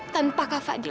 tanpa kak fadil